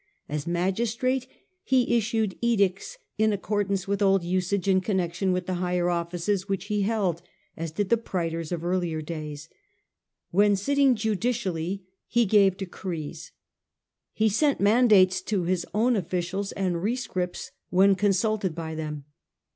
As magistrate The Emperor he issued edicts in accordance with old usage [hrs^ourclfof in connexion with the higher offices which he law: held, as did the praetors of earlier days. When sitting judicially he gave decrees ; he sent mandates to his own officials, and rescripts when consulted by them.